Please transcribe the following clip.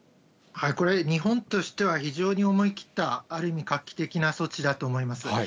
これは、日本としては非常に思い切った、ある意味、画期的な措置だと思います。